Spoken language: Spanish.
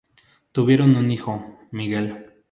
Tuvieron un hijo, Miguel.